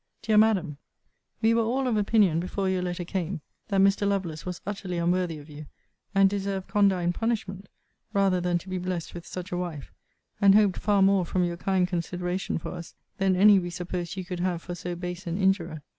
DEAR MADAM, We were all of opinion, before your letter came, that Mr. Lovelace was utterly unworthy of you, and deserved condign punishment, rather than to be blessed with such a wife: and hoped far more from your kind consideration for us, than any we supposed you could have for so base an injurer.